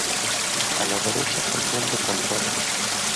A la derecha control de contraste.